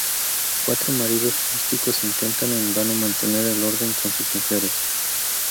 Cuatro maridos rústicos intentan en vano mantener el orden con sus mujeres.